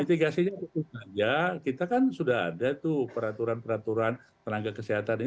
mitigasinya itu saja kita kan sudah ada tuh peraturan peraturan tenaga kesehatan ini